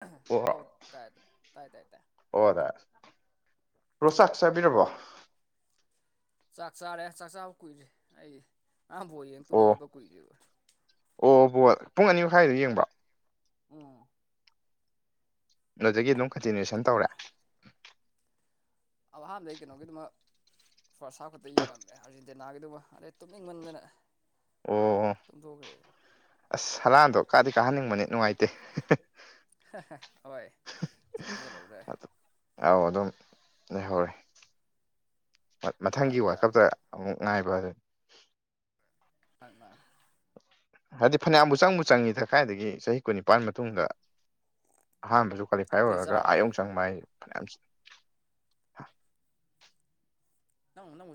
ꯍ ꯑꯣ ꯇꯥꯏ ꯇꯥꯏ ꯇꯥꯏ ꯇ ꯑꯣ ꯑꯗꯥ ꯔꯣꯁꯥꯛ ꯆꯥꯕꯤꯔꯕꯣ ꯆꯥꯛ ꯆꯥꯔꯦ ꯆꯥꯛ ꯆꯥꯕ ꯀꯨꯏꯔꯦ ꯑꯩ ꯑꯉꯥꯡꯕꯣ ꯌꯦꯅ ꯇꯨꯝꯕ ꯑꯣ ꯍꯧꯒꯠꯄ ꯀꯨꯏꯔꯦꯅ ꯑꯣ ꯕꯣꯜ ꯄꯨꯡ ꯑꯅꯤ ꯃꯈꯥꯏꯗꯣ ꯌꯦꯡꯕꯔꯣ ꯎꯝ ꯑꯗꯨꯗꯒꯤ ꯑꯗꯨꯝ ꯀꯟꯇꯤꯅꯨꯁꯟ ꯇꯧꯔꯦ ꯑꯍꯥꯟꯕꯗꯩ ꯀꯩꯅꯣꯒꯤꯗꯃꯛ ꯐꯥꯔꯁ ꯍꯥꯞꯐ ꯈꯛꯇ ꯌꯦꯡꯉꯝꯃꯦ ꯑꯥꯔꯖꯦꯟꯇꯤꯅꯥꯒꯤꯗꯨꯒ ꯑꯗꯩ ꯇꯨꯞꯅꯤꯡꯃꯟꯗꯅ ꯑꯣ ꯑꯁ ꯍꯔꯥꯟꯗꯣ ꯀꯥꯗꯤ ꯀꯥꯍꯟꯅꯤꯡꯕꯅꯤ ꯅꯨꯡꯉꯥꯏꯇꯦ ꯍ ꯣꯏ ꯆꯠꯁꯨ ꯆꯠꯍꯧꯔꯦ ꯑꯧ ꯑꯗꯨꯝ ꯂꯩꯍꯧꯔꯦ ꯃꯊꯪꯒꯤ ꯑꯃꯗ ꯋꯥꯀꯞꯇ ꯑꯃꯨꯛ ꯉꯥꯏꯕ ꯑꯗꯨꯅꯤ ꯃꯥ ꯃꯥ [inaudible] ꯍꯥꯏꯗꯤ ꯐꯅꯌꯥꯝꯕꯨ ꯆꯪꯕꯨ ꯆꯪꯏꯗ ꯀꯥꯏꯗꯒꯤ ꯆꯍꯤ ꯀꯨꯟꯅꯤꯄꯥꯟ ꯃꯇꯨꯡꯗ ꯑꯍꯥꯟꯕꯁꯨ ꯀ꯭ꯋꯥꯂꯤꯐꯥꯏ ꯅꯪꯗꯤ ꯑꯣꯏꯔꯒ ꯆꯥꯔꯕꯣ ꯑꯥ ꯌꯧꯅ ꯆꯪꯕ ꯍꯥꯏꯗꯨꯅꯤ ꯐꯅꯌꯥꯝ ꯅꯪ ꯎ ꯅꯪ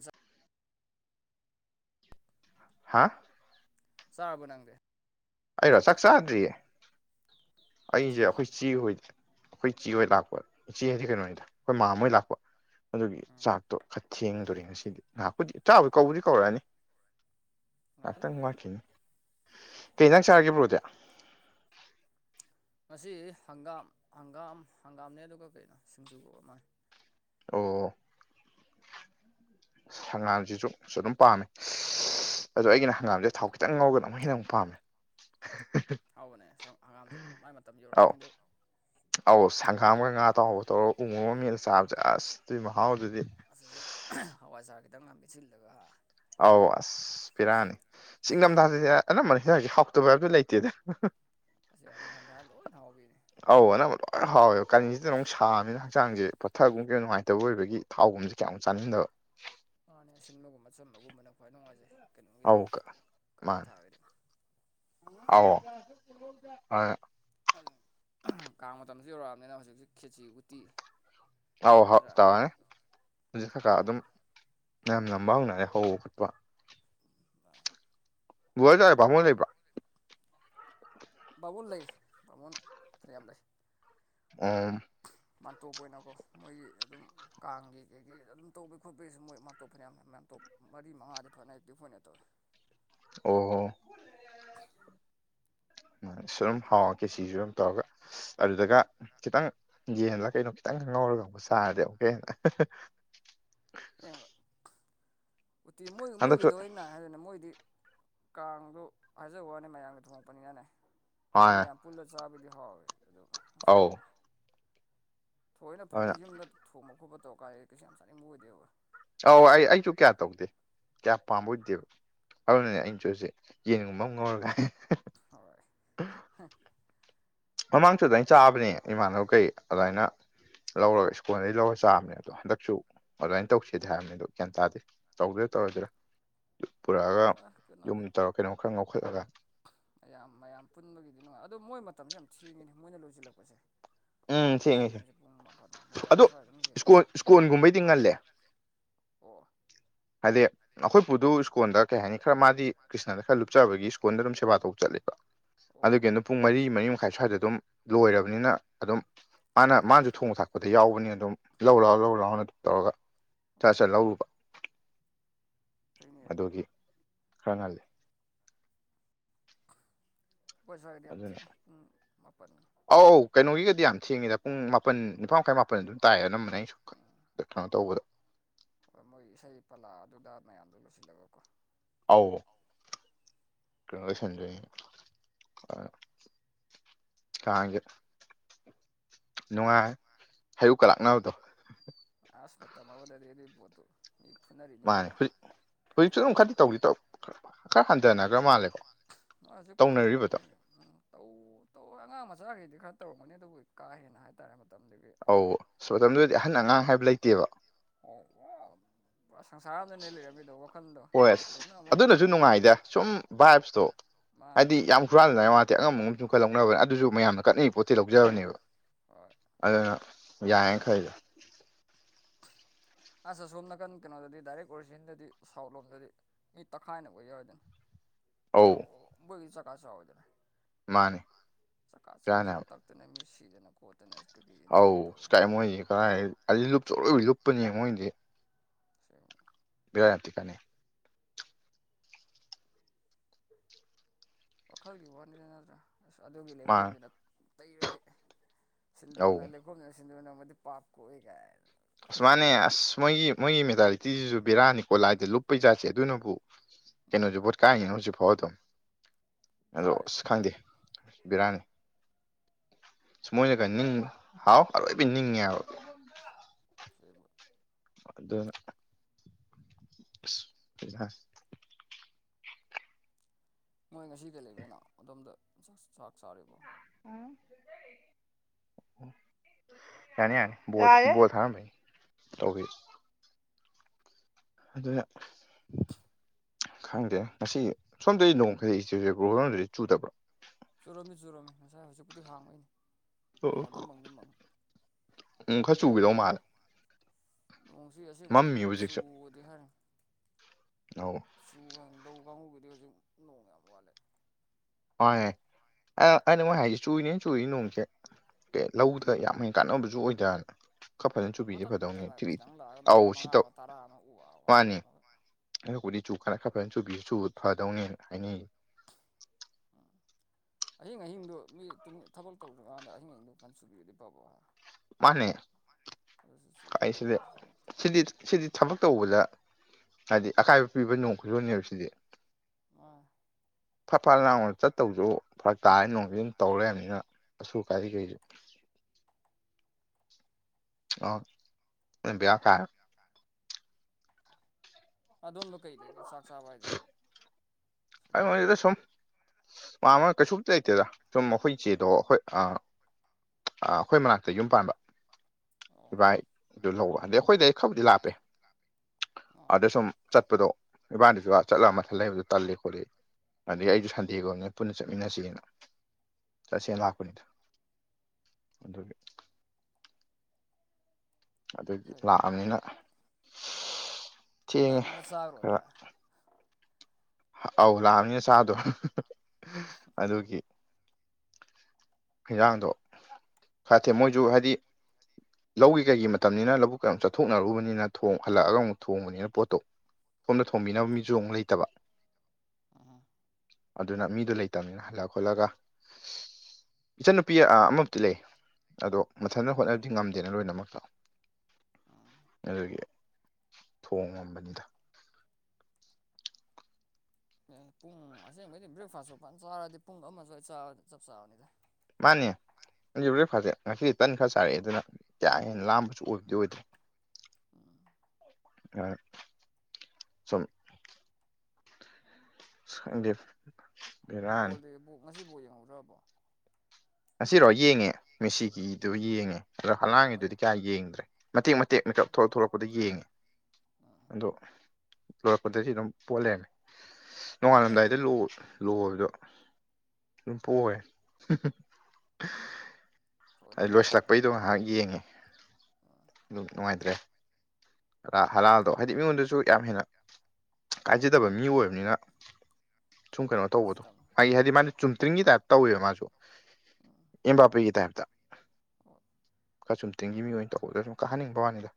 ꯍꯥ ꯆꯥꯕꯔꯅꯪꯗꯤ ꯑꯩꯔꯣ ꯆꯥꯛ ꯆꯥꯗ꯭ꯔꯤꯌꯦ ꯑ ꯑꯩꯁꯦ ꯑꯩꯈꯣꯏ ꯊꯦꯡꯉꯦꯅꯦ ꯆꯦ ꯍꯣꯏꯗ꯭ꯔꯦ ꯑꯩꯈꯣꯏ ꯏꯆꯦ ꯍꯣꯏ ꯂꯥꯛꯄ ꯏꯆꯦ ꯍꯥꯏꯗꯤ ꯀꯩꯅꯣꯅꯤꯗ ꯑꯩꯈꯣꯏ ꯃꯥꯝꯃ ꯍ ꯣꯏ ꯂꯥꯛꯄ ꯑꯗꯨꯒꯤ ꯎꯝ ꯆꯥꯛꯇꯣ ꯈꯔ ꯊꯦꯡꯗꯣꯔꯦ ꯉꯁꯤꯗꯤ ꯅꯍꯥꯛꯄꯨꯗꯤ ꯆꯥꯕ ꯀꯧꯕꯨꯗꯤ ꯀꯧꯔꯛꯑꯅꯤ ꯑꯣ ꯉꯍꯥꯛꯇꯪ ꯋꯥꯠꯈꯤꯅꯤ ꯀꯩ ꯏꯟꯁꯥꯡ ꯆꯥꯔꯒꯦ ꯀꯩ ꯕ꯭ꯔꯣꯗꯤ ꯏꯟꯁꯥꯡ ꯆꯥꯔꯒꯦ ꯕꯔꯣꯗꯤ ꯉꯁꯤ ꯍꯪꯒꯥꯝ ꯍꯪꯒꯥꯝ ꯍꯪꯒꯥꯝꯅꯦ ꯑꯗꯨꯒ ꯀꯩꯅꯣ ꯁꯤꯡꯖꯨꯒ ꯑꯣꯏꯔꯃꯅꯦ ꯑꯣ ꯍꯪꯒꯥꯝꯁꯤꯁꯨ ꯑꯗꯨꯝ ꯄꯥꯝꯃꯦ ꯑꯗꯣ ꯎꯝ ꯑꯩꯒꯤꯅ ꯍꯪꯒꯥꯝꯁꯦ ꯊꯥꯎ ꯈꯤꯠ ꯈꯤꯇꯪ ꯉꯧꯒꯗꯅ ꯑꯃꯨꯛ ꯍꯦꯟꯅ ꯑꯃꯨꯛ ꯄꯥꯝꯃꯦ ꯍꯥꯎꯕꯅꯦ ꯍꯪꯒꯥꯝꯁꯦ ꯃꯥꯏ ꯃꯇꯝ ꯑꯧ ꯌꯧꯔꯛꯑꯅꯤ ꯑꯗꯨ ꯑꯧ ꯁꯪꯒꯥꯝꯒ ꯉꯥ ꯑꯇꯧꯕꯒ ꯇꯧꯔꯒꯥ ꯎ ꯃ ꯣꯔ ꯣꯛ ꯑꯃꯒ ꯃ ꯦꯠꯂꯒ ꯆꯥꯕ ꯑꯁ ꯑꯗꯨꯒꯤ ꯃꯍꯥꯎꯗꯨꯗꯤ ꯑꯁ ꯍꯋꯥꯏꯖꯔꯥꯛ ꯈꯤꯇꯪ ꯒ ꯃ ꯦꯠꯁꯤꯜꯂꯒ ꯑꯧ ꯑꯁ ꯕ ꯦꯔꯥꯅꯤ ꯆꯤꯡꯉꯝꯊꯥꯁꯤꯗꯤ ꯑꯅꯝꯕꯅꯕ ꯏꯟꯁꯥꯡꯁ ꯦ ꯍꯥꯎꯇꯕ ꯍꯥꯏꯕꯗꯨ ꯂꯩꯇꯦꯗ ꯐꯁꯦ ꯅꯤꯊꯝꯊ ꯂꯣꯏꯅ ꯍꯥꯎꯕꯤꯅꯦ ꯑꯧ ꯑꯅꯝꯕ ꯂꯣꯏꯅ ꯍꯥꯎꯋꯦꯕ ꯀꯂ ꯦꯟꯁꯤꯗ ꯑꯃꯨꯛ ꯁꯥꯕꯅꯤꯅ ꯍꯛꯆꯥꯡꯁꯦ ꯄꯠꯊꯒꯨꯝ ꯀꯩ ꯅꯨꯡꯉꯥꯏꯇꯕ ꯑꯣꯏꯕꯒꯤ ꯊꯥꯎꯒꯨꯝꯁ ꯀꯌꯥꯨꯛ ꯆꯥꯅꯤꯡꯗꯕ ꯑꯥ ꯑꯁꯤꯟꯕꯒꯨꯝꯕ ꯆꯟꯝꯕꯒꯨꯝꯕꯅ ꯈ꯭ꯋꯥꯏ ꯅꯨꯡꯉꯥꯏꯖꯩ ꯀꯩꯅꯣꯒꯤꯗꯤ ꯑꯧ ꯀꯥꯂꯦꯟ ꯊꯥꯒꯤꯗꯤ ꯑꯣ ꯑ ꯀꯥꯡ ꯃꯇꯝꯖ ꯦ ꯌꯧꯔꯛꯑꯕꯅꯤꯅ ꯍꯧꯖꯤꯛ ꯍꯧꯖꯤꯛ ꯈꯦꯠꯁꯤ ꯎꯠꯇꯤ ꯂꯥꯎꯑꯣ ꯍꯥꯎ ꯇꯥꯔꯅꯦ ꯍꯧꯖꯤꯛ ꯀꯩꯀꯥ ꯑꯗꯨꯝ ꯇꯧꯗꯣꯏꯅꯤꯗꯣ ꯃꯤꯌꯥꯝꯅ ꯃꯥꯎꯅꯔꯦ ꯍꯧꯕ ꯈꯣꯠꯄ ꯏ [inaudible] ꯅ ꯣꯏ ꯑꯗꯥꯏ ꯚꯥꯃꯣꯟ ꯂꯩꯕꯔꯣ ꯕꯥꯃꯣꯟ ꯂꯩ ꯕꯥꯃꯣꯟ ꯐꯅꯌꯥꯝ ꯂꯩ ꯎꯝ ꯃꯥꯟꯇꯣꯞ ꯑꯣꯏꯅꯀꯣ ꯃꯣꯏꯒꯤ ꯑꯗꯨꯝ ꯀꯥꯡꯒꯤ ꯀꯩꯒꯤꯩ ꯑꯗꯨꯝ ꯇꯧꯕꯩ ꯈꯣꯠꯄꯩꯒꯤꯁꯨ ꯃꯣꯏ ꯃꯥꯇꯣꯞ ꯐꯅꯌꯥꯝ ꯃꯇꯣꯞ ꯃꯔꯤ ꯃꯉꯥꯗꯤ ꯐꯅ ꯑꯦꯛꯇꯤ ꯑ ꯣꯏꯅ ꯇꯧꯏ ꯑꯣ ꯍꯣ ꯁꯨꯝ ꯍꯥꯎꯅ ꯈꯔꯦꯁꯤꯁꯨ ꯑꯗꯨꯝ ꯇꯧꯔꯒ ꯑꯗꯨꯗꯒ ꯈꯤꯇꯪ ꯌꯦꯟꯂ ꯀꯩꯅꯣ ꯈꯤꯇꯪ ꯉꯧꯔꯒ ꯑꯃꯨꯛ ꯆꯥꯔꯗꯤ ꯑꯃꯨꯛꯀ ꯍꯅ ꯌꯦꯡꯕ ꯎꯇꯤ ꯃꯣꯏ ꯍꯟꯗꯛꯁꯨ ꯃꯣꯏꯒꯤꯗ ꯅꯥ ꯍꯥꯏꯗꯨꯅ ꯃꯣꯏꯗꯤ ꯀꯥꯡꯗꯣ ꯍꯥꯏꯖꯕ ꯋꯥꯅꯤ ꯃꯌꯥꯡꯒꯤ ꯊꯣꯡꯉꯛꯄꯅꯤꯅꯅꯦ ꯍꯣꯏ ꯑꯥ ꯃꯌꯥꯝ ꯄꯨꯜꯂ ꯆꯥꯕꯗꯤ ꯍꯥꯎꯋꯦ ꯑꯗꯨꯒ ꯑꯧ ꯉꯁꯥꯏꯒꯤ ꯊꯣꯏꯅ ꯐꯖꯅ ꯑꯗꯨꯅ ꯌꯨꯝꯗ ꯊꯣꯡꯕ ꯈꯣꯠꯄ ꯇꯧꯔ ꯀꯥꯏꯗꯦ ꯀꯩꯁꯨ ꯌꯥꯝ ꯆꯥꯅꯤꯡꯕ ꯑꯣꯏꯗꯦꯕ ꯑꯧ ꯑꯩ ꯑꯩꯁꯨ ꯀꯌꯥ ꯇꯧꯗꯦ ꯀꯌꯥ ꯄꯥꯃꯣꯏꯗꯦꯕ ꯑꯗꯨꯅꯅꯦ ꯑꯩꯅ ꯆꯨꯁꯦ ꯌꯦꯟꯒꯨꯝꯕ ꯑꯃ ꯉꯧꯔꯒ ꯍꯣꯏ ꯃꯃꯥꯡꯁꯨ ꯑꯗꯨꯃꯥꯏꯩꯅ ꯆꯥꯕꯅꯦ ꯏꯃꯥꯟꯅꯕ ꯀꯩ ꯑꯗꯨꯃꯥꯏꯅ ꯂꯧꯔꯒ ꯁ꯭ꯀꯨꯜꯗꯗꯒꯤ ꯂꯧꯔ ꯆꯥꯕꯝꯅꯦ ꯑꯗꯣ ꯍꯟꯗꯛꯁꯨ ꯑꯗꯨꯃꯥꯏꯅ ꯇꯧꯁꯤꯗꯤꯦ ꯍꯥꯏꯔꯕꯅꯤ ꯑꯗꯣ ꯭ꯌꯥꯟ ꯇꯥꯗꯦ ꯇꯧꯗꯔꯥ ꯇꯧꯔꯗꯤꯔꯥ ꯄꯨꯔꯛꯑꯒ ꯑ ꯌꯨꯝ ꯀꯩꯅꯣꯒꯤ ꯇꯧꯔ ꯀꯩꯅꯣꯝ ꯈꯔ ꯉꯧꯈꯠꯂꯒ ꯃꯌꯥꯝ ꯃꯌꯥꯝ ꯄꯨꯟꯕꯒꯤꯗꯤ ꯅꯨꯡꯉꯥꯏ ꯑꯗꯨꯗꯣ ꯃꯣꯏ ꯃꯇꯝꯁꯦ ꯌꯥꯝ ꯊꯦꯡꯉꯤꯅꯤ ꯃꯣꯏꯅ ꯂꯣꯏꯁꯤꯜꯂꯛꯄꯁꯦ ꯎꯝ ꯀꯥꯡꯁꯤ ꯊꯦꯡꯉꯦꯁꯦ ꯌꯦꯕꯁꯦ ꯄꯨꯡ ꯃꯥꯄꯜ ꯑꯗꯣ ꯁꯋꯥꯏ ꯑꯗꯨꯝ ꯍꯦꯜꯂꯦꯕ ꯏꯁꯀꯣꯟ ꯏꯁꯀꯣꯟꯒꯨꯝꯕꯩꯗꯤ ꯉꯜꯂꯦ ꯑꯣ ꯍꯥꯏꯗꯤ ꯑꯩꯈꯣꯏ ꯄꯨꯗꯨ ꯁ꯭ꯀꯣꯟꯜꯗ ꯀꯩ ꯍꯥꯏꯅꯤ ꯈꯔ ꯃꯥꯗꯤ ꯀ꯭ꯔꯤꯁꯅꯅ ꯈꯔ ꯂꯨꯞꯆꯕꯒꯤ ꯁ꯭ꯀꯣꯟꯗ ꯑꯗꯨꯝ ꯁꯦꯕꯥ ꯇꯧꯕ ꯆꯠꯂꯦꯕ ꯑꯣ ꯑꯗꯨꯒꯤꯣ ꯄꯨꯡ ꯃꯔꯤ ꯃꯔꯤ ꯃꯈꯥꯏ ꯁ꯭ꯋꯥꯏꯗ ꯑꯗꯨꯝ ꯂꯣꯏꯔꯕꯅꯤꯅ ꯑꯗꯨꯝ ꯃꯥꯅ ꯃꯥꯅꯁꯨ ꯊꯣꯡꯕ ꯊꯥꯛꯄ ꯑꯗ ꯌꯥꯎꯕꯅꯤ ꯑꯗꯨꯝ ꯂꯧ ꯂꯥꯛꯑꯣ ꯂꯧ ꯂꯥꯛꯑꯣꯅ ꯑꯗꯨꯝ ꯇꯧꯔꯒ ꯆꯠ ꯑꯣ ꯆꯠ ꯂꯧꯔꯨꯕ ꯐꯩꯅꯦ ꯑꯗꯨꯗꯤ ꯑꯗꯨꯒꯤ ꯈꯔ ꯉꯜꯂꯤ ꯄꯣꯏꯁꯥꯒꯗꯤꯝ ꯊꯦꯡ ꯄꯨꯡ ꯃꯄꯜ ꯑꯧ ꯑꯧ ꯀꯩꯅꯣꯒꯤꯒꯗꯤ ꯌꯥꯝ ꯊꯦꯡꯉꯤꯗ ꯄꯨꯡ ꯃꯥꯄꯟ ꯅꯤꯄꯥꯥꯟ ꯃꯈꯥꯏ ꯃꯥꯄꯟ ꯑꯗꯨꯝ ꯇꯥꯏꯌꯦ ꯑꯅꯝꯕꯅ ꯑꯁꯨ ꯀꯩꯅꯣ ꯇꯧꯕꯗ ꯑ ꯃꯣꯏ ꯏꯁꯩ ꯄꯂꯥ ꯑꯗꯨꯗ ꯃꯌꯥꯝꯗꯨꯣ ꯂꯣꯏꯁꯤꯜꯂꯒꯀꯣ ꯑꯧ ꯀꯁꯗꯦ ꯑ ꯀꯒ [unintelligible] ꯅꯨꯉꯥꯏ ꯑꯁ ꯃꯥꯇꯝ ꯑꯃꯥꯗꯗꯤ ꯑꯗꯨ ꯄꯣꯠꯇꯣ ꯃꯤ ꯐꯨꯅꯅꯦ ꯃꯥꯅꯦ ꯀꯔꯣ ꯍꯧꯖꯤꯛ ꯍꯧꯖꯤꯛꯁꯨ ꯑꯗꯨꯝ ꯈꯔꯗꯤ ꯇꯧꯗꯤ ꯇꯧ ꯈꯔ ꯍꯟꯊꯅꯈ꯭ꯔ ꯃꯥꯜꯂꯦꯀꯣ ꯆꯄꯗꯤ ꯇꯧꯅꯔꯤꯕꯗꯣ [unintelligible] ꯎꯝ ꯇꯧ ꯇꯧ ꯑꯉꯥꯡ ꯃꯆꯥꯈꯩꯗꯤ ꯈꯔ ꯇꯧꯔꯝꯒꯅꯤ ꯑꯗꯨꯕꯨ ꯀꯥ ꯍꯦꯟꯅ ꯍꯥꯏ ꯍꯥꯏꯇꯥꯔꯦ ꯃꯇꯝꯗꯨꯗꯤꯣꯏ ꯑꯧ ꯑꯁ ꯃꯇꯝꯗꯨꯗꯗꯤ ꯑꯍꯟ ꯃꯇꯝꯗꯨꯗꯤꯇꯦ ꯑꯉꯥꯡ ꯍꯥꯏꯕ ꯂꯩꯇꯦꯕ ꯑꯣ ꯋꯥ ꯄꯨꯔꯥ ꯁꯪꯁꯥꯔ ꯑꯃꯝꯗꯅꯦ ꯂꯩꯔꯝꯃꯤꯗꯣ ꯋꯥꯈꯜꯗꯣ ꯍꯣꯏ ꯑꯁ ꯍꯧꯖꯤꯛꯅ ꯑꯃꯨꯛ ꯑꯗꯨꯅꯁꯨ ꯈꯤꯇꯪ ꯅꯨꯡꯉꯥꯏꯗ ꯁꯨꯝ ꯚꯥꯏꯞꯁꯇꯣ ꯃꯥ ꯍꯥꯏꯗꯤ ꯌꯥꯝ ꯍꯨꯔꯥꯟꯅꯅꯥꯏ ꯃꯥꯇꯦ ꯑꯉꯝꯕ ꯑꯝ ꯁꯨꯝ ꯈꯜꯍꯧꯅꯕꯅꯦ ꯑꯗꯨꯁꯨ ꯃꯌꯥꯝꯅ ꯀꯠꯅꯩ ꯄꯣꯠꯇꯤ ꯂꯧꯖꯕꯅꯦꯕ ꯍꯣꯏ ꯑꯗꯨꯅ ꯌꯥꯔꯈꯩꯗꯤ ꯑꯁ ꯁꯣꯝ ꯅꯥꯀꯟ ꯀꯩꯅꯣꯗꯗꯤ ꯗꯥꯏꯔꯦꯛ ꯑꯣꯔꯤꯁꯤꯟꯗꯗꯤ ꯁꯥꯎꯠ ꯂꯣꯝꯗꯗꯤ ꯃꯤ ꯇꯈꯥꯏꯅ ꯑꯣꯏ ꯌꯥꯎꯔꯣꯏꯗꯅꯤ ꯆ ꯑꯧ ꯃꯣꯏꯒꯤꯗꯤ ꯆꯀꯥ ꯆꯥꯎꯗꯅ ꯃꯥꯅꯦ ꯆꯀꯥ ꯕꯦꯔꯥꯅꯦ ꯆꯁꯨ ꯍꯥꯏꯕ ꯛꯇꯨꯅ ꯃꯤ ꯁꯤꯗꯅ ꯈꯣꯠꯇꯅ ꯏꯁꯀ ꯏꯟꯗꯅ ꯑꯧ ꯇꯧꯋꯤ ꯑꯁ ꯀꯥꯏ ꯑꯗꯨꯗꯤ ꯂꯨꯞꯁꯨ ꯂꯣꯏ ꯂꯨꯞꯄꯅꯦ ꯃꯣꯏꯗꯤ ꯆ ꯃꯤꯑꯣꯕꯏ ꯌꯥꯇ ꯀꯅꯤ ꯋꯥꯈꯜꯒꯤ ꯋꯥꯅꯤꯗ ꯅꯠꯇ꯭ꯔꯥ ꯑꯁ ꯑꯗꯨꯒꯤ ꯃꯥ ꯂꯩꯈꯣꯝꯗꯨꯅ ꯇꯩꯔꯗꯤ ꯑꯧ ꯁꯤꯟꯗꯔꯅ ꯂꯩꯈꯣꯝꯅ ꯁꯤꯟꯗꯔꯅꯕꯨꯗꯤ ꯄꯥ ꯀꯣꯛꯏ ꯀꯥꯏ ꯑꯁꯨ ꯃꯥꯅꯦ ꯑꯁ ꯃꯣꯏꯒꯤ ꯃꯣꯏꯒꯤ ꯃꯦꯇꯥꯂꯤꯇꯤꯁꯤꯁꯨ ꯕꯤꯦꯔꯥꯅꯤ ꯀꯣꯠꯂꯥꯏꯗ ꯂꯨꯞꯄꯩꯖꯥꯠꯁꯦ ꯑꯗꯨꯅꯕꯨ ꯀꯩꯅꯣꯁꯨ ꯄꯣꯠ ꯀꯥꯏꯉ ꯍꯧꯖꯤꯛ ꯐꯥꯎ ꯑꯗꯨꯝ ꯑꯗꯣ ꯀꯥꯔꯤ ꯑꯁ ꯈꯪꯗꯦ ꯕꯤꯔꯥꯅꯤ ꯁ ꯃꯣꯏꯅ ꯀ ꯅꯤꯡꯕ ꯍꯥꯎ ꯑꯔꯣꯏꯕꯤ ꯅꯤꯡꯉꯦ ꯍꯥꯏꯕ ꯁꯦꯝ ꯑꯗꯨ ꯑꯗꯨ ꯑꯁ ꯇꯧꯔꯤꯖꯦꯍ ꯃꯣꯏ ꯉꯁꯤꯗ ꯂꯩꯕꯅ ꯑꯗꯣꯝꯗ ꯆꯥꯛ ꯆꯥꯔꯤꯕꯣ ꯑꫭ ꯌꯥꯅꯤ ꯌꯥꯅꯤ ꯕꫭꯜ ꯊꯥꯔꯝꯕꯩꯅꯦ ꯇꯧꯒꯔꯤꯗꯨ ꯑꯗꯨꯅ ꯈꯪꯗꯦ ꯉꯁꯤ ꯁꯣꯝꯗꯗꯤ ꯅꯣꯡ ꯈꯖꯤꯛ ꯈꯖꯤꯛ ꯆꯨꯏꯌꯦ ꯂꯕꯨꯛ ꯂꫭꯝꯗꯒꯤ ꯆꯨꯗꯕꯔꫭ ꯆꯨꯔꯝꯃꯤ ꯆꯨꯔꯝꯃꯤ ꯉꯁꯥꯏ ꯍꯧꯖꯤꯛꯄꯨꯗꯤ ꯍꯥꯡꯉꯤꯕꯩꯅꯦ ꯅꯣꯡ ꯑꯗꯨꯝ ꯎꯝ ꯃꯪꯗꯤ ꯃꯪ ꯈꯔ ꯆꯨꯈꯤꯗꯧ ꯅꯣꯡꯒ ꯃꯥꯜꯂꯦ ꯅꯣꯡꯁꯤ ꯑꯁꯦꯡꯕꯗꯤ ꯃꯝꯃꯤ ꯁꯨꯕꯗꯤ ꯍꯥꯏꯔꯤ ꯑ ꯁꯨꯒꯅ ꯂꯧ ꯀꯥꯡꯕꯨꯒꯤꯗꯤ ꯍꯧꯖꯤꯛ ꯅꯣꯡ ꯌꯥꯝ ꯋꯥꯠꯂꯦ ꯍ ꯑꯩꯅ ꯃ ꯍꯥꯏꯁꯦ ꯆꯨꯔꯤꯅꯦ ꯆꯨꯔꯤꯅꯤ ꯅꯣꯡꯁꯦ ꯑꯦ ꯂꯧꯗꯨꯗ ꯌꯥꯝ ꯍ ꯀꯥꯟꯅꯕꯁꯨ ꯑꯣꯏꯗꯅ ꯈ ꯐꯖꯅ ꯆꯨꯕꯤꯁꯦ ꯃꯇꯠ ꯐꯗꯧꯅꯦ ꯃꯇꯠꯅ ꯊꯤ ꯈꯤꯇꯪ ꯂꯥꯛꯑꯒ ꯃꯤꯅꯤꯠ ꯑꯧ ꯁꯤ ꯃꯉꯥ ꯇꯧ ꯑꯃ ꯇꯔꯥ ꯑꯃ ꯎ ꯋꯥ ꯋꯥ ꯃꯥꯅꯤ ꯇꯧꯔꯝꯃꯒ ꯑꯕꯨꯨꯗꯤ ꯆꯨ ꯈꯅ ꯈꯔ ꯐꯅ ꯆꯨꯕꯤꯁꯨꯨ ꯐꯗꯧꯅꯦꯅ ꯍꯥꯏꯅꯩꯌꯦ ꯑꯥ ꯑꯍꯤꯡ ꯑꯍꯤꯡꯗꯨ ꯃꯤ ꯊꯨꯝ ꯊꯕꯛ ꯇꯧꯗꯔꯀꯥꯟꯗ ꯑꯍꯤꯡ ꯑꯍꯤꯡꯗꯨ ꯇꯪ ꯁꯨꯕꯤꯔꯗꯤ ꯐꯕ ꯃꯥꯅꯦ ꯑꯗꯨꯁꯨ ꯆꯨꯗꯦ ꯀꯥꯏ ꯁꯤꯗꯤ ꯇꯧꯔꯤꯁꯦ ꯍꯟꯗꯛꯇꯤ ꯁꯤꯗꯤ ꯁꯤꯗꯤ ꯊꯕꯛ ꯇꯧꯕꯗ ꯍꯥꯏꯗꯤ ꯑꯀꯥꯏꯕ ꯄꯤꯕ ꯅꯣꯡ ꯈꯨꯆꯨꯅꯦꯕ ꯁꯤꯗꯤ ꯑꯥ ꯐꯠ ꯐ ꯂꯥꯡꯉꫭ ꯆꯠꯇꯧꯖꯨ ꯐꯔꯛ ꯇꯥꯔꯦ ꯅꯣꯡꯖꯤꯅ ꯇꯧꯔꯕꯅꯤꯅ ꯑꯊꯨ ꯑꯀꯥꯏꯒꯤ ꯀꯩꯁꯨ ꯑꯣ ꯑꯗꯨꯅ ꯕꯦꯔꯥꯀꯥ ꯑꯗꫭꯝꯗ ꯀꯩꯂꯩꯒꯦ ꯆꯥꯛ ꯆꯥꯕ ꯍꯥꯏꯖꯦ ꯍꯥꯏꯕꯩ ꯋꯥꯅꯤꯗ ꯁꯨꯝ ꯄꯥꯝꯃ ꯀꯩꯁꯨꯝꯇꯤ ꯂꯩꯇꯦꯗ ꯁꯨꯝ ꯑꯩꯈꯣꯏ ꯆꯦꯗꯣ ꯑꯩꯈꯣꯏ ꯑ ꯑꯩꯈꯣꯏ ꯃꯅꯥ ꯑꯈꫭꯏ ꯃꯅꯥꯛꯇ ꯌꯨꯝ ꯄꯥꯟꯕ ꯏꯕꯥꯏ ꯑꯗꯨ ꯂꯧꯕ ꯑꯗꯩ ꯑꯩꯈꯣꯏꯗꯩ ꯈꯔꯕꯨꯗꯤ ꯂꯥꯞꯄꯦ ꯑꯣ ꯑꯗ ꯁꯨꯝ ꯆꯠꯄꯗꯣ ꯏꯕꯥꯅꯤꯁꯨ ꯑ ꯆꯠꯂ ꯃꯊꯜ ꯂꯩꯕꯗꯨ ꯇꯜꯂꯤ ꯈꯣꯠꯂꯤ ꯑꯗꯩ ꯑꯩꯖꯨ ꯁꯟꯗꯦꯒꯨꯝꯕꯗ ꯄꯨꯟꯅ ꯆꯠꯃꯤꯟꯅꯁꯦꯅ ꯆꯠꯁꯦ ꯑꯣ ꯂꯥꯛꯄꯅꯤꯗ ꯑꯗꯨꯒꯤ ꯑꯗꯨꯒꯤ ꯐꯩ ꯂꯥꯛꯑꯅꯤꯅ ꯊꯦꯡꯉꯦ ꯂꯥꯛꯑꯝꯅꯤꯅ ꯆꯥꯈ꯭ꯔꯣꯗ ꯈꯔ ꯑꯧ ꯂꯥꯛꯑꯅꯤꯅ ꯆꯥꯗꯣ ꯑꯗꯨꯒꯤ ꯍꯤꯟꯖꯥꯡꯗꯣ ꯈꯔ ꯊꯦꯡ ꯃꯣꯏꯖꯨ ꯍꯥꯏꯗꯤ ꯂꯧꯒꯤ ꯀꯩꯒꯤ ꯃꯇꯝꯅꯤꯅ ꯂꯕꯨꯛ ꯀꯌꯥꯝ ꯆꯠꯊꯣꯛꯅꯔꯨꯕꯅꯤꯅ ꯊꯣꯡ ꯍꯜꯂꯛꯑꯒ ꯑꯃꯨꯛ ꯊꯣꯡꯕꯅꯤꯅ ꯄꯣꯠꯇꯣ ꯁꯣꯝꯗ ꯊꯣꯡꯕꯤꯅꯕ ꯃꯤꯖꯨ ꯑꯃꯨꯛ ꯂꯩꯇꯕ ꯎꯝ ꯑꯗꯨꯅ ꯃꯤꯗꯨ ꯂꯩꯇꯅꯤꯅ ꯍꯜꯂ ꯈꯣꯠꯂꯒ ꯏꯆꯟꯅꯨꯄꯤ ꯑ ꯑꯃꯕꯨꯗꯤ ꯂꯩ ꯑꯗꯣ ꯃꯊꯟꯇ ꯍꯣꯠꯅꯕꯗꯤ ꯉꯝꯗꯦꯅ ꯂꯣꯏꯅꯃꯛꯇꫭ ꯎꯝ ꯑꯗꯨꯒꯤ ꯊꯣꯡ ꯉꯝꯕꯅꯤꯗ ꯎꯝ ꯄꯨꯡ ꯑꯁꯦꯡꯕꯩꯗꯤ ꯕ꯭ꯔꯦꯛꯐꯥꯁꯁꯨ ꯐꯠꯅ ꯆꯥꯔꯗꯤ ꯄꯨꯡ ꯑꯃꯁꯨꯋꯥꯏ ꯆꯥꯕ ꯆꯞꯆꯥꯕꯅꯤꯗ ꯃꯥꯅꯦ ꯑꯩꯖꯨ ꯕꯔꯦꯛꯐꯥꯁ ꯖꯦ ꯉꯁꯤꯗꯤ ꯇꯟ ꯈꯔ ꯆꯥꯔꯛꯑꯦ ꯑꯗꯨꯅ ꯀꯌꯥ ꯍꯦꯟꯅ ꯂꯥꯝꯕꯁꯨ ꯑꯣꯏꯕꯨꯗꯤ ꯑꯣꯏꯗ꯭ꯔꯤ ꯎꯝ ꯑ ꯁꯪꯗꯦ ꯕꯣꯜꯗꯤ ꯕꯨ ꯉꯁꯤ ꯕꫭꯜ ꯌꯦꯡꯍꯧꯗ꯭ꯔꯕꯣ ꯉꯁꯤꯔꯣ ꯌꯦꯡꯉꯦ ꯃꯦꯁꯤꯒꯤꯗꯨ ꯌꯦꯡꯉꯦ ꯑꯗꯣ ꯍꯣꯏ ꯍꯂꯥꯟꯒꯤꯗꯨꯗꯤ ꯀꯌꯥ ꯌꯦꯡꯗ꯭ꯔꯦ ꯃꯇꯦꯛ ꯃꯇꯦꯛ ꯃꯀꯞ ꯊꯣꯛꯂꯛ ꯊꯣꯛꯂꯛꯄꯗꫭ ꯌꯦꯡꯉꯦ ꯎꯝ ꯑꯗꯣ ꯂꯣꯏꯔꯛꯄꯗꯗꯤ ꯑꯗꯨꯝ ꯄꯣ ꯂꯩꯔꯝꯃꯦ ꯅꯣꯡꯉꯥꯜꯂꯝꯗꯥꯏꯗ ꯂꯨ ꯂꯣꯜꯗ ꯑꯗꯨꯝ ꯄꯣꯒꯔꯦ ꯐꯗꯤ ꯑꯩ ꯐꯖꯕꯅꯤ ꯂꯣꯏꯁꯤꯜꯂꯛꯄꯩꯗꯣ ꯑꯅꯤꯗꯣ ꯉꯥꯏꯍꯥꯛ ꯌꯦꯡꯉꯤ ꯎꯝ ꯑꯗꯨꯝ ꯅꯨꯡꯉꯥꯏꯇ꯭ꯔꯦ ꯍꯔꯥꯜꯗꯣ ꯍꯥꯏꯗꯤ ꯃꯤꯉꯣꯟꯗꯁꯨ ꯌꯥꯝ ꯍꯦꯟꯅ ꯀꯥꯏꯖꯗꯕ ꯃꯤ ꯑꯣꯏꯕꯅꯤꯅ ꯁꯨꯝ ꯀꯩꯅꯣ ꯇꯧꯕꯗꯣ ꯀꯥꯖꯗꯕꯅꯤ ꯃꯥ ꯍꯥꯏꯗꯤ ꯍꯥꯏꯗꯤ ꯃꯥꯅ ꯆꯨꯝꯗ꯭ꯔꯤꯡꯒꯤ ꯇꯥꯏꯞ ꯇꯧꯋꯦꯕ ꯃꯥꯁꯨ ꯎꯝ ꯏꯦꯝ ꯄꯄꯤꯒꯤ ꯇꯥꯏꯞꯇ ꯍꯣꯏ ꯀꯔ ꯁꯨꯝ ꯇꯤꯡꯒꯤ ꯃꯤ ꯑꯣꯏꯅ ꯇꯧꯕꯗ ꯁꯨꯝ ꯀꯥꯍꯟꯅꯤꯡꯕ ꯋꯥꯅꯤꯗ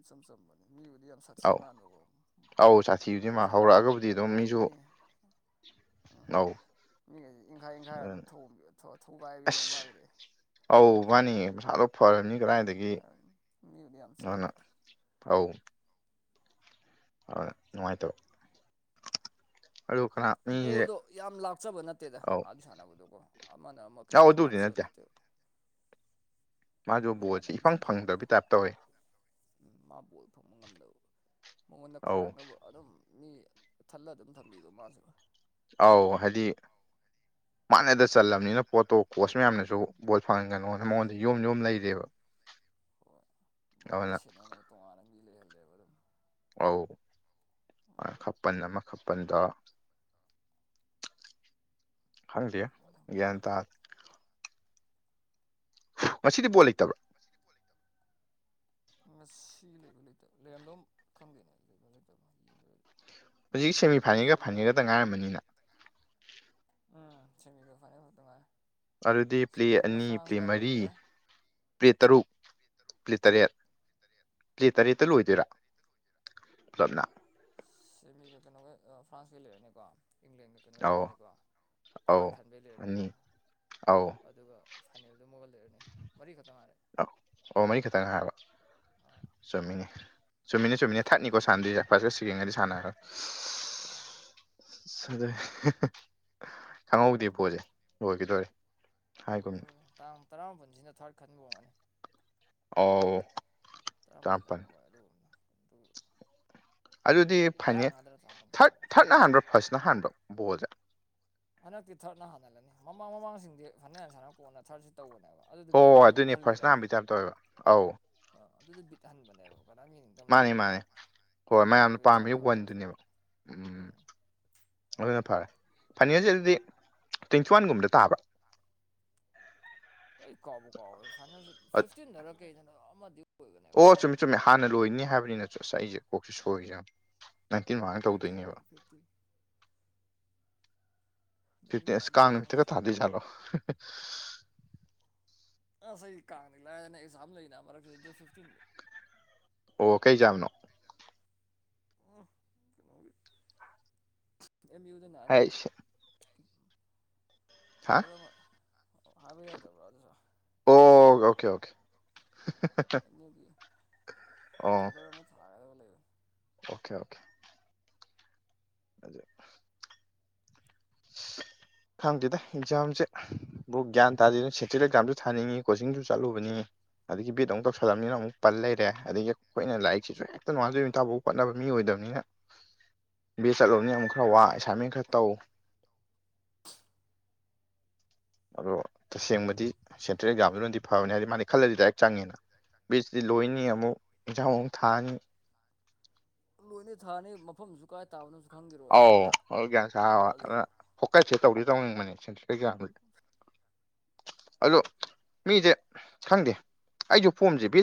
ꯏꯆꯝ ꯆꯝꯕꯅꯦ ꯃꯤꯕꯨꯗꯤ ꯌꯥꯝ ꯁꯥꯊꯤ ꯑꯧ ꯃꯥꯟꯕꯀꯣ ꯑꯧ ꯁꯥꯊꯤꯕꯗꯤ ꯃꯥ ꯍꯧꯔꯛꯑꯒꯕꯨꯗꯤ ꯑꯗꯨꯝ ꯃꯤꯁꯨ [unintelligible] [inaudible] ꯃꯤꯉꯩꯁꯦ ꯏꯪꯈꯥꯏ ꯏꯪꯈꯥꯏꯔ ꯑꯗꯨꯝ ꯊꯣꯝ ꯊꯧ ꯊꯨꯒꯥꯏꯕꯤꯅꯦ ꯑꯁ ꯃꯥꯒꯤꯗꯤ ꯑꯧ ꯃꯥꯅꯤ ꯃꯁꯥꯗꯣ ꯐꯔꯝꯅꯤ ꯀꯗꯥꯏꯗꯒꯤ ꯃꯤꯕꯨꯗꯤ ꯌꯥꯝ ꯆꯝꯕ [unintelligible] ꯑꯗꯨꯅ ꯅꯨꯡꯉꯥꯏꯇꯕ ꯑꯗꯨ ꯀꯅꯥ ꯃꯤꯁꯦ ꯕꯣꯜꯗꯣ ꯌꯥꯝ ꯂꯥꯞꯆꯕ ꯅꯠꯇꯦꯗ ꯑꯧ ꯑꯥꯗ ꯁꯥꯟꯅꯕꯗꯨꯕꯨ ꯑꯃꯅ ꯑꯃ ꯀꯩꯁꯨ ꯑꯧ ꯌꯥꯝ ꯑꯗꯨꯕꯨꯗꯤ ꯂꯥꯞꯆꯕ ꯅꯠꯇꯦ ꯃꯥꯖꯨ ꯅꯨꯡꯉꯥꯏꯅ ꯕꯣꯜꯖꯤ ꯑꯗꯨꯝ ꯏꯐꯪ ꯁꯥꯟꯅꯩ ꯐꯪꯗꯕꯩ ꯇꯥꯏꯞ ꯇꯧꯋꯦ ꯎꯝ ꯃꯥ ꯕꯣꯜ ꯐꯪꯕ ꯉꯝꯗꯕ ꯃꯉꯣꯟꯗ ꯑꯧ ꯈꯥꯏꯔꯛꯅꯕ ꯑꯗꯨꯝ ꯃꯤ ꯊꯠꯂꯥ ꯑꯗꯨꯝ ꯊꯝꯕꯤꯕ ꯃꯥꯁꯨ ꯑꯧ ꯍꯥꯏꯗꯤ ꯃꯥꯥꯅꯗ ꯆꯜꯂꯅꯤꯅ ꯄꯣꯠꯇꯣ ꯀꯣꯁ ꯃꯌꯥꯝꯅꯁꯨ ꯕꯣꯠ ꯐꯪꯍꯟꯒꯅꯣꯅ ꯃꯉꯣꯟꯗ ꯌꯣꯝ ꯌꯣꯝ ꯂꯩꯔꯦꯕ ꯍꯣꯏ ꯃꯥꯗ ꯑꯗꯨꯅ ꯁꯦꯠꯅꯅꯕ ꯇꯣꯉꯥꯟꯅ ꯃꯤ ꯂꯩꯍꯜꯂꯦꯕ ꯑꯗꯨꯝ ꯑꯧ ꯈꯄꯜ ꯑꯃ ꯈꯄꯜꯗ ꯍꯪꯗꯤꯌꯦ ꯑꯗꯨꯝ ꯒꯤꯌꯥꯟ ꯄꯣꯕ ꯇꯥꯗꯦ ꯉꯁꯤꯗꯤ ꯕꯣꯜ ꯂꯩꯇꯕ꯭ꯔꯣ ꯉꯁꯤꯗꯤ ꯕꯣꯜ ꯂꯩꯇꯕ꯭ꯔꯣ ꯉꯁꯤ ꯂꯩꯕ ꯂꯩꯇꯕ ꯂꯩꯔꯝꯗꯧ ꯈꯪꯗꯦꯅꯦ ꯂꯩꯕ ꯂꯩꯇꯕ ꯌꯦꯡꯗ꯭ꯔꯗꯤ ꯍꯧꯖꯤꯛ ꯃꯣꯏꯁꯦ ꯁꯦꯃꯤ ꯀꯩꯅꯣ ꯐꯥꯏꯅꯦꯜꯒ ꯁꯥꯟꯗꯣꯑꯣꯏꯔꯝꯒꯅꯤ ꯐꯥꯏꯅꯦꯜꯒꯗ ꯉꯥꯏꯔꯝꯃꯅꯤꯅ ꯎꯝ ꯁꯤꯃꯤꯒ ꯐꯥꯏꯅꯦꯜ ꯒ ꯈꯛꯇꯥ ꯉꯥꯏꯔꯦ ꯑꯗꯨꯗꯤ ꯄꯂꯦ ꯏꯁꯄꯦꯟꯒ ꯑꯅꯤ ꯄꯂꯦ ꯐ꯭ꯔꯥꯟꯁꯀ ꯑꯃ ꯃꯔꯤ ꯂꯩꯔꯦ ꯄꯂꯦ ꯇꯔꯨꯛ ꯄꯂꯦ ꯇꯔꯦꯠ ꯄꯂꯦ ꯇꯔꯦꯠꯇ ꯂꯣꯏꯗꯣꯏꯔꯥ ꯄꯨꯂꯞꯅ ꯁꯤꯃꯤꯒ ꯀꯩꯅꯣꯒ ꯐ꯭ꯔꯥꯟꯁꯀꯤ ꯂꯩꯔꯅꯤꯀꯣ ꯏꯪꯂꯦꯟꯒ ꯀꯩꯅꯣ ꯑꯧ ꯂꯩꯔꯅꯤꯀꯣ ꯊꯥꯔꯠ ꯑꯧ ꯈꯟꯕꯩ ꯂꯩꯔꯅꯤꯀꯣ ꯑꯅꯤ ꯑꯧ ꯑꯗꯨꯒ ꯐꯥꯏꯅꯦꯜꯗꯣ ꯃꯥꯒ ꯂꯩꯔꯅꯤ ꯃꯔꯤꯈꯛꯇꯪ ꯉꯥꯏꯔꯦ ꯑ ꯑꯣ ꯃꯔꯤꯈꯛꯇꯪꯅ ꯉꯥꯏꯔꯕ ꯑꯥ ꯆꯨꯝꯃꯤꯅꯦ ꯆꯨꯝꯃꯤꯅꯦ ꯆꯨꯝꯃꯤꯅꯦ ꯊꯔꯥꯠꯅꯤꯀꯣ ꯁꯥꯟꯅꯗꯣꯏꯁꯦ ꯐꯔꯁ ꯀꯥ ꯁꯦꯀꯦꯟꯒꯗꯤ ꯁꯥꯟꯅꯒꯔꯦ ꯑꯥ ꯑꯗꯨꯅꯤ ꯈꯪꯍꯧꯗꯦ ꯕꯣꯜꯁꯦ ꯂꯣꯏꯒꯤꯗꯣꯔꯦ ꯍꯥꯏꯒꯨꯝꯅ ꯂꯣꯏꯗꯣꯔꯦ ꯇꯥꯡ ꯇꯔꯥꯃꯥꯄꯟꯁꯤꯅ ꯊꯔꯠ ꯈꯟꯕ ꯑꯣꯏꯔꯝꯒꯅꯤ ꯑꯥꯎ ꯇꯔꯥꯝꯄꯟꯗꯔꯥ ꯑꯣꯏ ꯑꯗꯨꯅ ꯑꯗꯨ ꯑꯗꯨꯗꯤ ꯐꯥꯏꯅꯦ ꯇꯔꯥꯃꯉꯥꯗꯔ ꯇꯔꯥꯃꯥꯄꯜ ꯊꯥꯔꯠ ꯀꯥꯎꯕ ꯊꯥꯔꯠꯅ ꯍꯥꯟꯕ꯭ꯔꯥ ꯐꯥꯔꯁꯅ ꯍꯥꯟꯕ꯭ꯔꯣ ꯕꯣꯜꯁꯦ ꯍꯟꯗꯛꯇꯤ ꯊꯥꯔꯠꯅ ꯍꯥꯟꯅꯜꯂꯅꯤ ꯃꯃꯥꯡ ꯃꯃꯥꯡꯁꯤꯡꯗꯤ ꯐꯥꯏꯅꯦꯜ ꯍꯥꯏꯅ ꯁꯥꯟꯅꯔꯒ ꯀꯣꯟꯅ ꯊꯥꯔꯠꯁꯤ ꯇꯧꯕꯅꯦꯕ ꯑꯗꯨꯗ ꯍꯣꯏ ꯍꯣꯏ ꯕꯤꯠꯇꯨ ꯑꯗꯨꯅꯦ ꯐꯥꯔꯁꯅ ꯍꯜꯂꯤꯗꯅ ꯍꯥꯟꯕꯩ ꯇꯥꯏꯞ ꯇꯧꯋꯦꯕ ꯑꯧ ꯑ ꯑꯗꯨꯗ ꯕꯤꯠ ꯍꯟꯕꯅꯦꯕ ꯀꯅꯥꯝ ꯌꯦꯡ ꯃꯥꯅꯦ ꯗꯝꯅꯦꯕ ꯃꯥꯅꯦ ꯄꯥꯛ ꯃꯥꯅꯤ ꯃꯥꯅꯤ ꯍꯣꯏ ꯑꯗꯨꯏ ꯃꯌꯥꯝꯅ ꯁꯥꯔꯨꯛꯄꯨꯗꯤ ꯄꯥꯝꯃꯤ ꯊꯔꯥꯠꯇꯣ ꯍꯥꯟꯅ ꯋꯟꯗꯨꯅꯦꯕ ꯇꯧꯊꯣꯛꯑꯒꯥ ꯎꯝ ꯑꯗꯨꯅ ꯐꯔꯦ ꯐꯥꯏꯅꯦꯜꯖꯦ ꯑꯗꯨꯗꯤ ꯇ꯭ꯋꯦꯟꯇꯤ ꯋꯥꯟꯒꯨꯝꯕꯗ ꯇꯥꯕ꯭ꯔꯥ [unintelligible] ꯑꯩ ꯀꯥꯎꯕꯨ ꯀꯥꯎꯋꯦ ꯐꯥꯏꯜꯁꯦ ꯐꯤꯞꯇꯤꯟ ꯗꯔ ꯀꯩꯗꯅ ꯑꯃꯗꯤ ꯑꯣꯏꯕꯅꯦꯕ ꯑꯣ ꯊꯥꯔꯠ ꯆꯨꯝꯃꯤ ꯍꯟꯕ ꯆꯨꯝꯃꯤ ꯍꯥꯟꯅ ꯂꯣꯏꯅꯤ ꯅꯥꯏꯟꯇꯤꯟꯗ ꯍꯥꯏꯕꯅꯤꯅꯁꯨ ꯑꯁ ꯑꯩꯁꯦ ꯀꯣꯛꯁꯦ ꯑꯥ ꯁꯣꯏꯔꯤꯌꯦꯉꯨ ꯅꯥꯏꯟꯇꯤꯟ ꯃꯥꯃꯥꯡꯗ ꯇꯧꯗꯣꯏꯅꯤ [inaudible] ꯅꯨꯡꯗꯤ ꯐꯤꯐꯇꯤꯟ ꯑꯁ ꯀꯥꯡ ꯅꯨꯡꯉꯥꯏꯗꯣꯏꯅꯦ ꯅꯨꯃꯤꯠꯇꯒ ꯍꯟꯗꯛꯁꯦ ꯊꯥꯗꯣꯏ ꯖꯥꯠꯂꯣ ꯑꯁ ꯑꯩ ꯀꯥꯡꯗꯤ ꯂꯥꯏꯗꯅ ꯑꯦꯛꯖꯥꯝ ꯂꯩꯅꯤ ꯃꯔꯛꯁꯤꯗ ꯗꯦꯠ ꯐꯤꯞꯇꯤꯟꯗ ꯑꯣ ꯀꯩꯖꯥꯕꯅꯣ ꯀꯩꯅꯣꯒꯤ ꯑꯦꯝ. ꯌꯨ [unintelligible] ꯍꯥꯏꯁ ꯍꯥ ꯄꯦꯄꯔ ꯑꯃ ꯍꯥꯏꯞꯕ ꯌꯥꯗꯕ꯭ꯔꯥ ꯑꯗꯨꯁꯨ ꯑꯣ ꯑꯣꯀꯦ ꯑꯣꯀꯦ ꯒꯤ ꯑꯣ ꯄꯦꯄꯔ ꯑꯃ ꯊꯥ ꯈꯥꯏꯕ ꯂꯒꯦ ꯑꯣꯀꯦ ꯑꯣꯀꯦ ꯑꯗꯨꯩ [inaudible] ꯊꯥꯡꯃ ꯊꯗ ꯑꯦꯖꯥꯝ ꯆꯦ ꯕꯨ ꯒ꯭ꯌꯥꯟ ꯇꯥꯗꯦꯅ ꯁꯦꯟꯇ꯭ꯔꯦꯜ ꯑꯦꯛꯖꯥꯝꯁꯨ ꯊꯥꯅꯤꯡꯉꯤ ꯀꯣꯆꯤꯡꯁꯨ ꯆꯠꯂꯨꯕꯅꯤ ꯑꯗꯒꯤ ꯦꯠ ꯑꯃꯨꯛ ꯇꯧꯁꯜꯂꯕꯅꯤꯅ ꯑꯃꯨꯛ ꯄꯜ ꯂꯩꯔꯦ ꯑꯗꯒꯤ ꯑꯩꯈꯣꯏꯅ ꯂꯥꯏꯔꯤꯛꯁꯤꯁꯨ ꯍꯦꯛꯇ ꯅꯨꯡꯉꯥꯖ ꯌꯇꯥꯐꯥꯎ ꯈꯣꯠꯅꯕ ꯃꯤ ꯑꯣꯏꯗꯕꯅꯤꯅ ꯕꯤꯁ ꯆꯠꯂꯨꯕꯅ ꯌꯥꯝꯛ ꯈꯔ ꯋꯥ ꯑꯥ ꯑꯦꯁꯥꯏꯟꯃꯦꯟ ꯈꯔ ꯇꯧ ꯑꯗꯣ ꯇꯁꯦꯡꯕꯗꯤ ꯁꯦꯟꯇ꯭ꯔꯦꯜ ꯑꯦꯛꯖꯥꯝꯗꯨꯅꯗꯤ ꯐꯕꯅꯤ ꯍꯥꯏꯗꯤ ꯃꯥꯗꯤ ꯈꯜꯂꯗꯤ ꯗꯥꯏꯔꯦꯛ ꯆꯪꯉꯦꯅ ꯕꯤ ꯁꯤ ꯂꯣꯏꯅꯤ ꯑꯃꯨꯛ ꯌꯦꯟꯖꯥꯡ ꯑꯃꯨꯛ ꯊꯥꯅꯤ ꯂꯣꯏꯅ ꯊꯥꯅꯤ ꯃꯐꯝꯁꯨ ꯀꯥꯏ ꯇꯥꯕꯅꯣꯁꯨ ꯈꯪꯈꯤꯔꯣꯏ ꯑꯧ ꯅꯠꯇ꯭ꯔꯥ ꯑꯗꯨ ꯒ꯭ꯌꯥꯟ ꯁꯥꯕ ꯑꯗꯨꯅ ꯋꯥꯠꯂꯤꯕ ꯐꯣꯀꯁꯁꯦ ꯇꯧꯗꯤ ꯇꯧꯅꯤꯡꯕꯅꯦ ꯁꯦꯟꯇ꯭ꯔꯦꯜ ꯑꯦꯛꯖꯥꯝꯗ ꯑꯗꯣ ꯃꯤꯁꯦ ꯈꯪꯗꯦ ꯑꯩꯁꯨ ꯐꯣꯝꯁꯦ ꯕꯤ